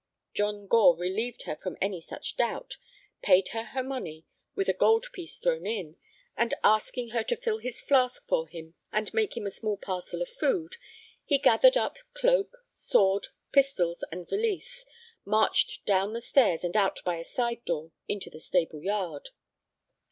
John Gore relieved her from any such doubt, paid her her money, with a gold piece thrown in, and asking her to fill his flask for him and make him a small parcel of food, he gathered up cloak, sword, pistols, and valise, marched down the stairs and out by a side door into the stable yard.